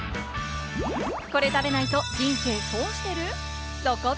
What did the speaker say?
これ食べないと人生損してる？